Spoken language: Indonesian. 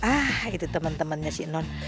ah itu temen temennya si non